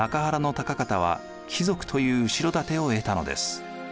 高方は貴族という後ろ盾を得たのです。